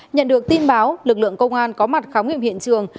nhận được tin báo lực lượng công an có mặt khám nghiệm hiện trường